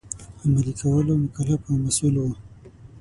عملي کولو مکلف او مسوول وو.